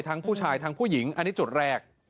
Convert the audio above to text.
ทั้งผู้ชายทั้งผู้หญิงอันนี้จุดแรก